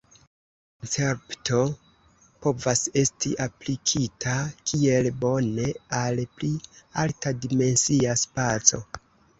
La koncepto povas esti aplikita kiel bone al pli alta-dimensia spaco.